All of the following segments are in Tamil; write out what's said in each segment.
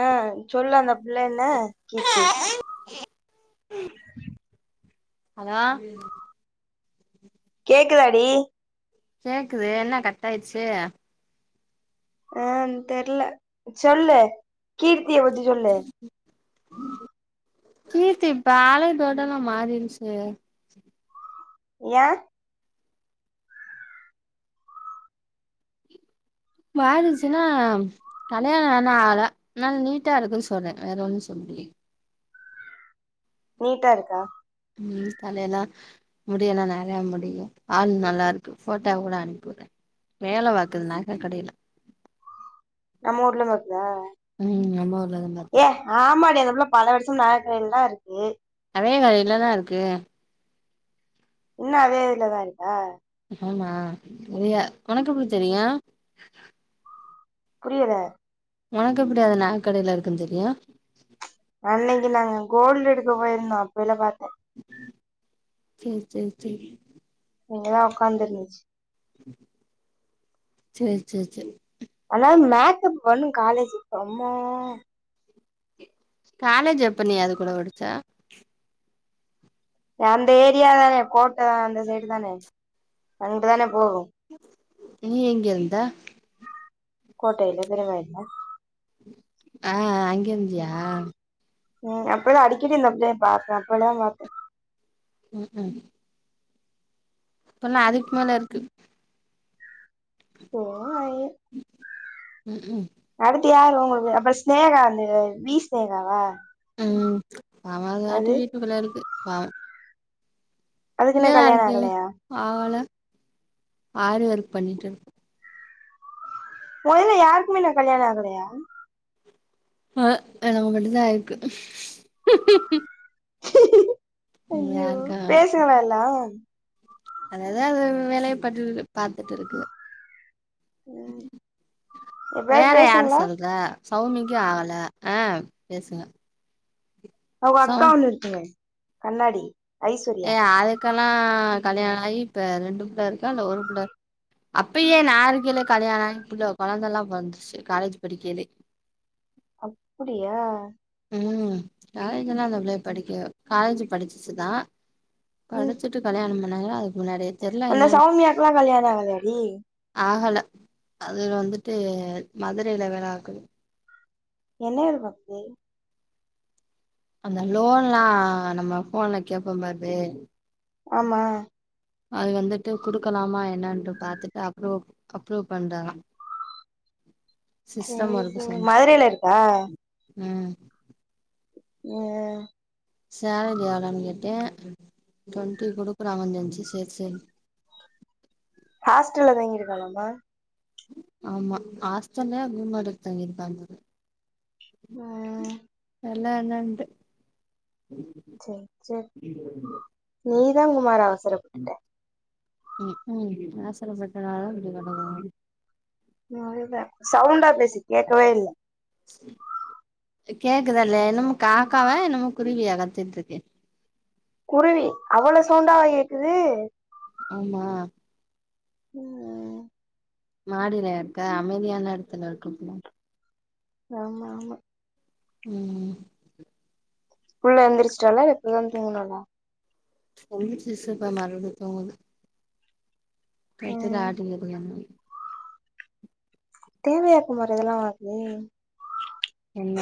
ஆ சொல்லு அந்த பிள்ள என்ன கீர்த்தி ஹலோ கேக்குதா டி கேக்குது என்ன கட் ஆயிருச்சு ஏ தெர்ல சொல்லு கீர்த்திய பத்தி சொல்லு கீர்த்தி இப்ப ஆளே டோட்டல்லா மாறிருச்சு ஏன் மாறிருச்சுன்னா கல்யாணம் ஆனா ஆல அதனால நீட்டா இருக்குன்னு சொல்றேன் வேற ஒன்னும் சொல்லையே நீட்டா இருக்கா ம் தலையெல்லா முடியலாம் நறையா முடியும் ஆள் நல்லா இருக்கு போட்டோவ கூட அனுப்பிவுடுறேன் வேல பாக்குது நக கடையில நம்ம ஊர்லையும் இருக்குதா ம் நம்ம ஊர்ல தான் பாத்துட்டு ஆமா டி அந்தப்புள்ள பல வருஷம் நக கடையில தான் இருக்கு அதே வேலையில தான இருக்கு இன்னும் அதே இதுல தான் இருக்கா ஆமா ரியா உனக்கு எப்டி ம், தெரியு புரியல உனக்கு எப்டி அது நகக் கடைல இருக்குன்னு தெரியு அன்னைக்கி நாங் கோல்டு எடுக்க போயிருந்தோ அப்பேல்ல பார்த்தே சேரி சேரி சேரி இங்க தான் உக்காந்து இருந்துச்சு சேர் சேர் சேர் அனா மேக்கப் பண்ணும் காலேஜுக்கு அம்மா காலேஜ் எப்ப நீ அது கூட படிச்ச அந்த ஏரியா தானே கோட்ட அந்த சைடு தானே அங்கட்டு தானே போனும் நீ எங்க இருந்த கோட்டையில எதிரங்காயில ஆ ஆ அங்கேருந்தியா ம் அப்ப தான் அடிக்கடி இந்த புள்ளைய பாப்பேன் அப்ப தான் பாத்தேன் உஹும் அப்பன்னா அதுக்கு மேல இருக்கு போ ஆய் ம் உம் அடுத்து யாரு உங்களுக்கு அப்றோ ஸ்னேகானு வீ ஸ்னேகாவா ம் அவ காட்டு அது வீட்டுக்குள்ள இருக்கு பாவோ இன்னு ஏ கல்யாண அதுக்கு ஆகலையா ஆவல ஆரிஒர்க் பண்ணிட்டுரு மொதல்ல யாருக்குமே இன்னு கல்யாண ஆகலையா மொத எனக்கு மட்டுதா ஆயிர்க்கு ஐயோ யாருக்கு பேசுங்ளா எல்லா அதது அதது வேலய பட்டு பாத்துட் இருக்குக ம் எப்பயாது வேற யார பேசுங்களா சொல்ற சௌமிக்கி ஆகல ஆ பேசுங்க அவுக சௌ அக்கா ஒன்னு இருக்குமே கண்ணாடி ஏ ஐஸ்வர்யா அதுக்கெல்லா கல்யாணோ ஆயி இப்ப ரெண்டு பிள்ளருக்கா இல்ல ஒரு பிள்ள அப்பயே நாருக்கேலே கல்யாணாயி புள்ள கொழந்தல்லா பொறந்துச்சு காலேஜ் படிக்கைலே அப்பிடியா ம் காலேஜ் எல்லா அந்த புள்ளய படிக்க காலேஜு படிச்சுச்சு தா ம் படிச்சுட் டு கல்யாணோ பண்ணாங்க அதுக் முன்னாடே அந்த சௌமியாக்லா கல்யாணொ ஆகலயாடி ஆகல அது வந்துட்டு மதுரைல வேல பாக்குது என்ன வேல பாக்குது அந்த லோன்லா நம்ம ஃபோன்ல கேப்போம் பாருவே ஆமா அது வந்துட்டு குடுக்கலாமா என்னன்ட்டு பாத்துட்டு அப்ரூவல் அப்ரூவ் பண்றா சேர் ஒர்க் சேரி சொன்ச்சு மதுரைலருக்கா ம் ம் சேலரி எவ்ளோன் கேட்டே ட்வெண்ட்டி குடுக்குறாங்கன் சொன்ச்சு செர் சேரி ஹாஸ்டல்ல தங்கியிருக்காலாமா ஆமா ஆஸ்ட்டல்ல ரூம் எடுத்தங்கிருப்பா போல ம் நல்லா என்னன்து செர் செர் நீ தா குமாரு அவசர ம் உம் அவசரப்பட்டனாலதா இப்டி கடக்குறோ அதுதா சவுண்டா பேசு கேக்கவே இல்ல கேக்குதா இல்லயா என்னமோ காக்காவா என்னமோ குருவியா கத்திட்ருக்கு குருவி அவ்ளோ சவுண்டாவா கேக்குது ஆமா ம் மாடிலயாருக்க அமைதியான எடத்துல இருக்கபோல ஆமா ஆமா ம் புள்ள எந்திரிச்ட்டாலா இல்ல இப்பதா தூங்னாலா எந்திரிச்சிச்சு தா மறுப்டி தூங்குது தொட்டில் ம் ஆட்டிகிட்ருக்கே தேவயா குமாரு இதெல்லா ஒனக்கு என்ன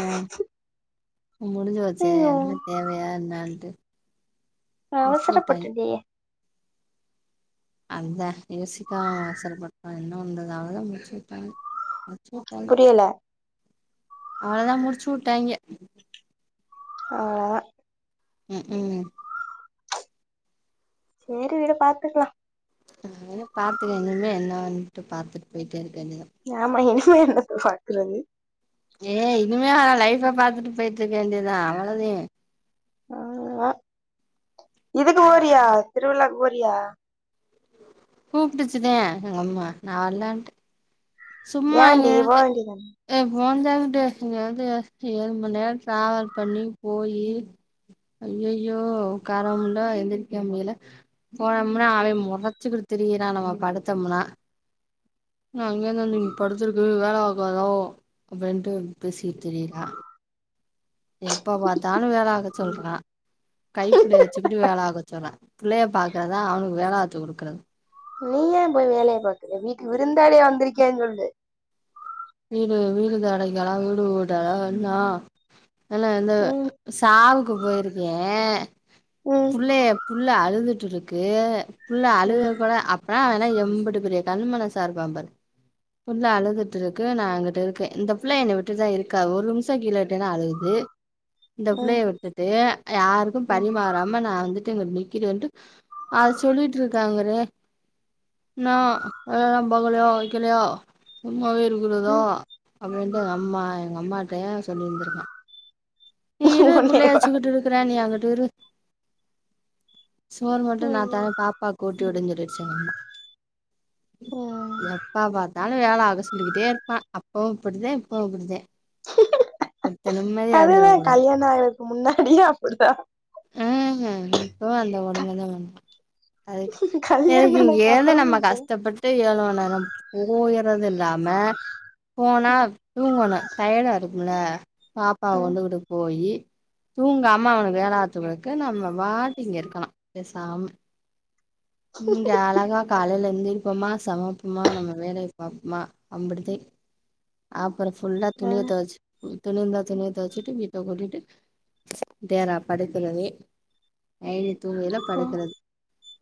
முடிஞ்சு போச்சே ஐயோ இன்னு தேவையா என்னான்ட்டு நா முடிச்சு வுட்டாய்ங்க அவசரப்பட்டன்டி அதா யோசிக்கா அவசரப்பட்டா என்ன பண்றது அவள்தா முடிச்சுட்டாய்ங்க முடிச்சு உட்டா புரியல அவ்ளதா முடிச்சு உட்டாய்ங்க அவ்ளதா ம்க்ம் சேரி விடு பாத்துக்லா நானு பாத்துக்க இனிமே என்னான்ட்டு பாத்துட் போய்ட்டே இருக்க வேண்டிதா ஆமா இனிமே என்னத்த பாக்குறது ஏய் இனிமே அவ லைஃப்ப பாத்துட்டு போயிட்டுருக்க வேண்டியதா அவ்வளதே அவ்ளதா இதுக்கு போரியா திருவிழாக்கு போரியா கூப்புட்டுச்சுதே எங்கம்மா நா வர்லன்ட்டே சும்மா ஏன்டி போ எழுந்து வேண்டியதான ஏ போந்தே அங்கிட்டு இங்கந்து ஏ ஏழு மண் நேர டிராவல் பண்ணி போயி ஐய்யய்யோ உக்கார முல்ல எந்திரக்க முடியல போனோம்னா அவே மொறச்சுக்கிட்டு திரியிரா நம்ம படுத்தம்முனா இன்னா அங்கேந்து வந்து இங்க படுத்துருக்கு வேல பாக்காதா அப்படின்ட்டு பேசிக்கிட் திரியிரா எப்ப பத்தாலு வேல பாக்க சொல்றா கைப்புள்ளைய வெச்சுக்கிட்டு வேல பாக்க சொல்றா புள்ளைய பாக்குறதா அவனுக்கு வேல பாத்து குடுக்கறது நீ ஏ போய் வேலைய பாக்குற வீட்டுக்கு விருந்தாலியா வந்திருக்கேன் சொல்லு வீடு வீடு தொடைக்கலா வீடு கூட்டலா என்னா எல எந்தவ ம் சாவுக்கு போயிருக்கே ம் புள்ளைய புள்ள அழுதுட்டுருக்கு புள்ள ம் அழுக கூட அப் பனா அவன்லா எம்புட்டு பெரிய கல் மனசா இருப்பாம்பாரு புள்ள அழுதுட்டுருக் கு நா இங்குட்டு இருக்கே இந்த புள்ள என்னைய விட்டுட்தா இருக்காத் ஒரு நிம்ஷ கீழ விட்டேன்னா அழுகுது ம் இந்தப்புள்ளைய விட்டுட்டு யாருக்கு ம் பரிமாறாம நா வந்துட்டு இங்க நிக்கிறேன்ட்டு அது சொல்லிட்ருக்காங்கறே இன்னா வேலெல்லாம் பாக்கலையா வெக்கலையா சும்மாவே இருக்குறதா ம் அப்டின்ட்டு எங்க அம்மா எங்கம்மாட்டயு சொல்லிந்திருக்கா நீ இரு புள்ளைய ஒன்னேவா வெச்சுக்கிட்டுருக்குற நீ அங்கட்டு இரு சோர் போட்டு நா ம் தரே பாப்பாக்கு ஊட்டி உடுன் சொல்லிருச்சு எங்கம்மா ம் எப்ப பா த்தாலு வேல ஆக சொல்லிக்கிட்டே இருப்பா அப்பவு இப்படிதே இப்பவு இப்படிதே ஒர்த்தே நிம்மதியா இருந்திற அதுதா கல்யாண ஆகறத்தக்கு முன்னாடியே அப்படிதா ம் இப்பவு அந்த கொடுமையதா பண்றா அதுக்கு கல்யாண எதுக்கு ஆனதுக்கு இங்கேருந்து அப்புறமு நம்ம இப்டிதா கஷ்டப்பட் டு ஏழு மண்நேரோ போய்யறது இல்லாம போனா ம் தூங்கனு டயடா இருக்குமுல பாப்பாவ ம் கொண்டுகிட்டு போயி தூங்காமா அவனுக்கு வேல பாத்து குடுக்க நம்ம பாட்டுக் இங்க இருக்கலா பெசாம இங்க அழகா காலைல எந்திரிப்போமா சமப்போமா நம்ம வேலைய பாப்புமா அம்புட்டுதே அப்புற ஃபுல்லா ஆ துணிய தொவச்சு துணியிந்தா துணிய தொவச்சுட்டு வீ டு கூட்டிட்டு டேரா படுக்குறதே நைனி தூங்கையில ஆ படுக்கறது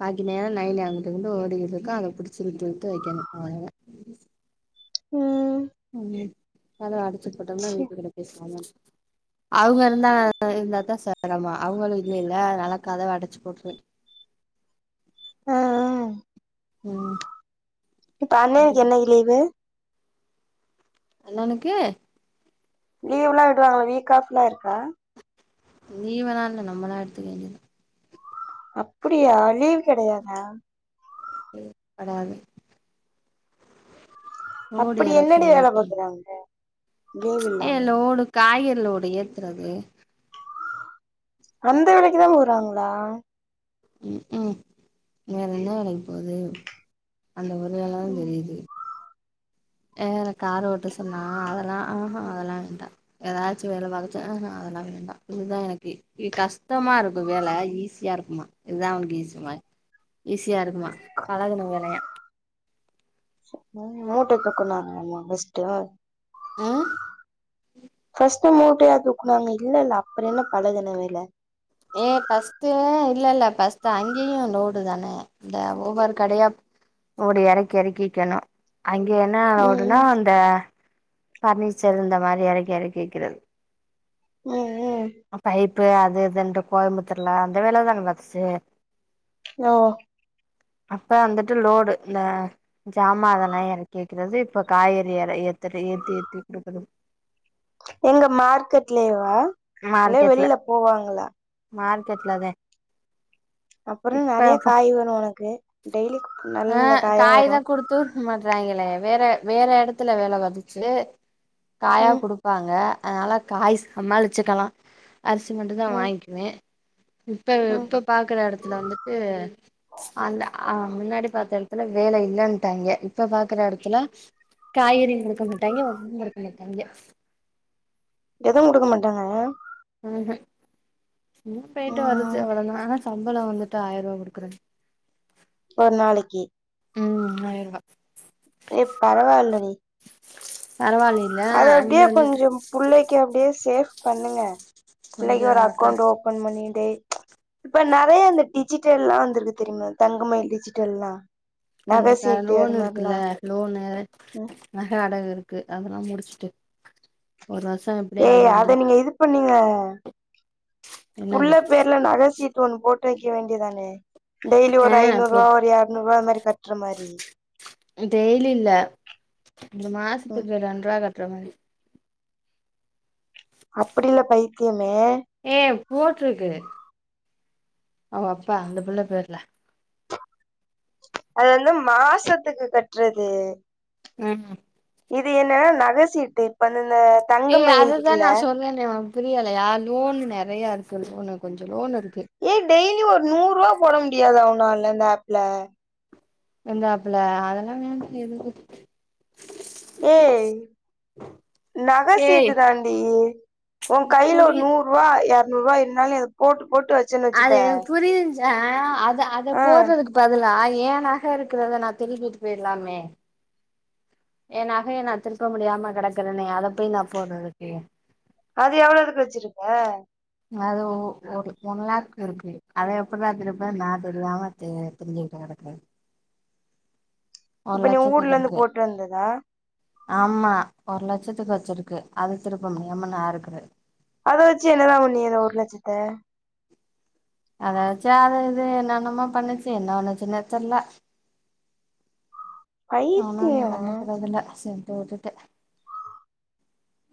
பாக்கி நேரோ நைனி அங்கிட்டு இங்கிட்டு ஓடிட்டு இருக்கா அத புடிச்சு இழுத்து இழுத்து வைக்கனு அவளோதா ம் ம் கதவ அடைச்சு போட்டோம்னா சே வீட்டுக்கெடக்கு பேசாமா அவங்க இருந்தா இருந்தாதா செரமோ அவங்களு இல்லைல அதனால கதவ அடைச்சு போட்டுருவே ஆ ஆ ம் இப்ப அண்ணனுக்கு என்னைக்கு லீவு அண்ணனுக்கு லீவ்லா விடுவாங்களா வீக் ஆஃப்லா இருக்கா லீவ்வலா இல்ல நம்மலா எடுத்துக்க வேண்டியதா அப்படியா லீவ் கெடையாதா லீவ் கெடையாது லோடு அப்படி இறக்க என்னடி வேல ஏத்துறது பாக்குறாங்க லீவ் ஏ இல்லாம லோடு காய்கறி லோடு ஏத்துறது அந்த வேலைக்குதா போறாங்களா ம்ஹும் வேற என்ன வேலைக்கு போது அந்த ஒரு வேலதா ம் தெரியுது வேற காரு ஓட்ட சொன்னா அதெல்லா ஆஹா அதெல்லா வேண்டா எதாச்சு வேல பாக்க சொ ஆஹா அதெல்லா வேண்டா இதுதா எனக்கு இது கஷ்டமா இருக்கு வேல ஈஸியா இருக்குமா இதா அவனுக்கு ஈசிமா ஈஸியா இருக்குமா பழகுன‌ வேலயா மூ மூட்ட தூக்குனாங்களாங்க ஃபஸ்ட்டு ம் ஃபஸ்ட்டு மூட்டையா தூக்குனாங்க இல்லேல அப்றோ என்ன பழகுன வேல ஏ ஃபஸ்ட் இல்ல இல்ல ஃபஸ்ட் அங்கேயு லோடு தான இந்த ஒவ்வொரு கடையா லோடு எறக்கி எறக்கி வைக்கணு அங்க என்ன லோடுனா ம் அந்த ஃபர்னிச்சர் இந்த மாரி எறக்கி எறக்கி வைக்கிறது ம் ம் அ பைப்பு அது இதுண்ட்டு கோயம்புத்தூர்ல அந்த வேல தான பாத்துச்சி ஓ அப்ப வந்துட்டு லோடு இந்த ஜாமா அதெல்லா எறக்கி வைக்றது இப்ப காய்கறி எற ஏத்தற ஏத்தி ஏத்தி குடுக்கறது எங்க மார்க்கெட்லேவா மார்க்கெட்ல மார்கெட்லதே அப்றோ நெறய காய் வரு ஒனக்கு டெய்லிக் நல்ல நல்ல காயா வரு தூக் மாட்றாங்கலே வேற வேற எடத்துல வேல பாத்திச்சு காயா ம் குடுப்பாங்க அதனால காய் சம்மாளிச்சுக்கலா அரிசி மட்டுந்தா ம் வாங்கிக்குவே இப்ப ம் இப்ப பாக்ற எடத்தில வந்துட்டு அந்த ஆ முன்னாடி பாத்த எடத்துல வேல இல்லன்ட்டாய்ங்க இப்ப பாக்குற எடத்துல காய்கறியு குடுக்கமாட்டாய்ங்க ஒன்னு குடுக்கமாட்டாய்ங்க எதும் குடுக்க மாட்டாங்க ம்ஹும் சும்மா பேய்ட்டு வருது ம் அவ்ளோ தா ஆனா சம்பளோ வந்துட்டு ஆயிரூவா குடுக்குறாங்க ஒர் நாளைக்கி ம் ஆய்ருவா ஏப் பரவால்லடி பரவால்லைலே அப்டியே அங்கே வந்துட்டு கொஞ்ச புள்ளைக்கு அப்டியே சேஃப் பண்ணுங்க பிள்ளைக்கு கொஞ்சோ ஒரு அக்கௌண்ட் காசு ஓப்பன் பண்ணிடே இப்ப நெறைய இந்த டிஜிட்டல்லா வந்திருக்கு தெரியுமா தங்கமயில் டிஜிட்டல்லா நகை கஞ்சக்க சீட்டு லோன் அது இருக்குல்ல மாரிலா லோனு நக அடகு இருக்கு அதெல்லா முடிச்சுட்டு ஒரு வருசோ எப் ஏய் அத நீங்க இது பண்ணீங்க உள்ள என்னது பேய் ல்ல நகசீட்டு ஒன்னு போட்டு வைக்க வேண்டியதானே டெய்லி ஒரு ஆ போ ஐநூரூவா ஒரு எர்நூரூவா அது மாரி கட்ற மாரி டெய்லி இல்ல இந்த ம் மாசத்துக்கு ரெண்ட் ரூவா கெட்ற மாரி அப்டி இல்ல பைத்தியமே ஏய் போட்டுருக்கு அவங்க அப்பா அந்த பிள்ள பேர்ல அது வந்து மாசத்துக்கு கட்றது ம் இது என்னன்னா நகசீட்டு இப்ப வந்து இந்த ஏ தங்க மயில் அதுதா இருக்குல்ல நா சொல்றேனே ஒனக்கு புரியலையா லோன் நெறய இருக்கு லோன் கொஞ்சோ லோன் இருக்கு ஏய் டெய்லி ஒரு நூறு ரூவா போட முடியாதா உன்னால இந்த அப்ல அந்த அப்ல ஏய் நக ஏய் சீட்டு தான்டி ஓ கைல ஒரு புரிய நூற் ரூவா எர்நூரூவா இருந்தாலு நீ அத போட்டு போட்டு வெச் அது எனக்கு புரியுது அத அத ஆ போட்றதுக்கு பதிலா ஏ நக இருக்கிறத நான் திருப்பிட்டு போயிறலாமே ஏ நகைய நா திருப்ப முடியாம கெடக்கிறனே அத போய் நா போட்றதுக்கு அது எவ்ளோதுக்கு வெச்சிருக்க அது ஒரு ஒன் லேக் இருக்கு அத எப்பிடிட்றா திருப்ப நா தெரியாம திரிஞ்சிட்டு கெடக்கே இப்ப நீ ஊர்ல லட்சத்துக்கு இருந்து இருக்கு போட்டு வந்ததா ஆமா ஒரு லட்சத்துக்கு வெச்சிருக்கு அது திருப்ப முடியாம நா இருக்குற அத வெச்சு என்னதா பண்ணீங்க ஒரு லட்சத்த அத வெச்சு அது இது என்னன்னமா பண்ணுச்சு என்ன பன்னிச்சினே தெரில நானு ஒன்னு பைத்தியோ கண்டுக்கறதுல்ல செரின்னு விட்டுட்டே ஆஹ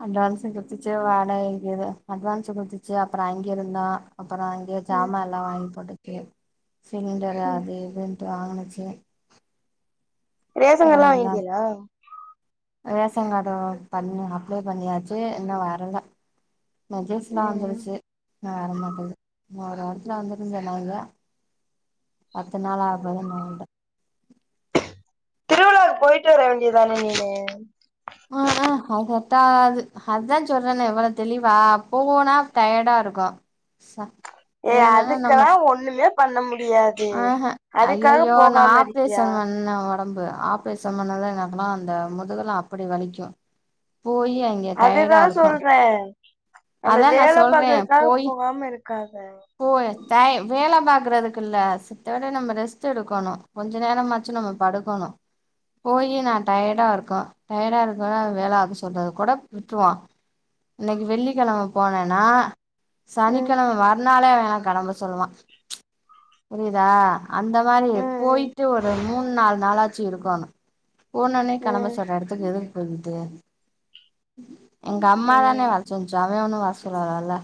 அட்வான்ஸ்சு குத்துச்சு வாடகைக் அட்வான்ஸ்சு குத்துச்சு அப்றோ அங்கே இருந்தோ அப்றோ ம் சாம எல்லா வாங்கி போட்டுச்சு சிலிண்டரு ம் அது இதுன்ட்டு வாங்கிச்சு ரேஷன் அப்றோ கார்டுலா எல்லா வாங்கிட்டியலா ரேஷங்கார்டு பண் அப்ளே பண்ணியாச்சு இன்னு வரல மெசேஜ் எல்லா ம் ம் வந்துருச்சு நா வர மாட்டேது ஒரு வாரத்துல வந்துருன்னு சொன்னாங்க பத்து நாள் [unintelligible] திருவிழாவுக்கு போயிட்டு வர வேண்டியதுதானே நீனு ஆ ஆ ஆதத்தா ஆகாது அதா சொல்றேன்னு இவ்ளோ தெளிவா போனா டயர்டா இருக்கு ஏய் ஏழு அதுக்கெல்லா ஒண்ணுமே பண்ண முடியாது ஆஹா அதுக்காக ஐய்யய்யோ நா போகாம இருக்கியா ஆப்ரேஷன் பண்ண ஒடம்பு [unintelligible] அந்த முதுகல்லா அப்டி வலிக்கு போயி அங் அதுதா சொல்றே அந்த அதா நா வேல பாக்கறதுக்காக போகாம இருக்காத போ த வேல பாக்குறதுக்கில்ல மித்தபடி நம்ம ரெஸ்ட் எடுக்கணு கொஞ்ச நேரமாச்சு நம்ம படுக்கணு போயி நா டயர்டா இருக்கோ டயர்டா இருக்க வேல அது சொல்றது கூட விட்ருவா இன்னைக்கி வெள்ளிக்கெழம போனேன்னா ம் சனிக்கெழம மறுநாளே இவே என்ன கெளம்ப சொல்லுவா புரிதா அந்த மாரி ம் போயிட்டு ஒரு மூண் நாலு நாளாச்சி இருக்கணு போன ஒட்னே ம் கெளம்ப ம் சொல்ற எடத்துக்கு எதுக்கு போயிட்டு எங்க அம்மா தானே ம் வரசொல்லுச்சி அவே ஒன்னு வரசொல்லல்